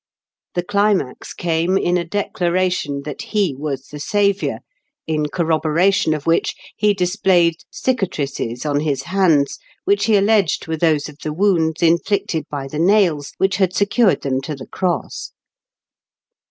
The climax came in a declara tion that he was the Saviour, in corroboration of which he displayed cicatrices on his hands, which he alleged were those of the wounds inflicted by the nails which had secured them to the cross.